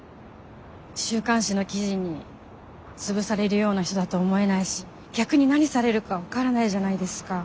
週刊誌の記事につぶされるような人だと思えないし逆に何されるか分からないじゃないですか。